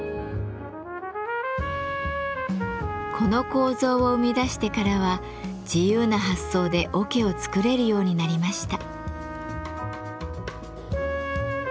この構造を生み出してからは自由な発想で桶を作れるようになりました。